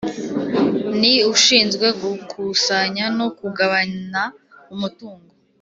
Ni ushinzwe gukusanya no kugabana umutungo